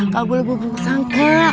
gak boleh buat kekosongka